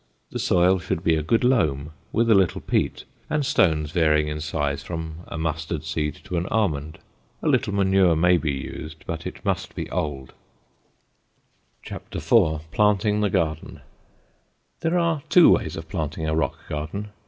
The soil should be a good loam with a little peat, and stones varying in size from a mustard seed to an almond. A little manure may be used, but it must be old. PLANTING THE GARDEN There are two ways of planting a rock garden.